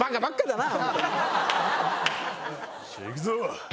行くぞ！